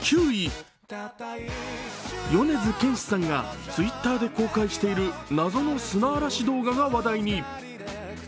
米津玄師さんがＴｗｉｔｔｅｒで公開している謎の砂嵐動画が話題に。